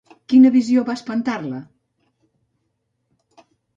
Quina visió va espantar-la?